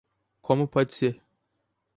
Como pode ser?